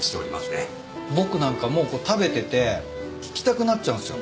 僕なんかもう食べてて聞きたくなっちゃうんすよ